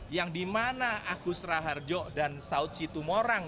yang dimana agus raharjo dan saud situmorang